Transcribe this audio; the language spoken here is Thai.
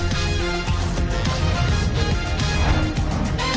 เปิดปากกับภาคภูมิ